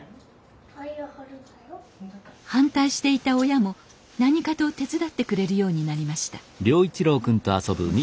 反対していた親も何かと手伝ってくれるようになりました